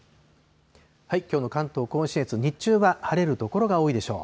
きょうの関東甲信越、日中は晴れる所が多いでしょう。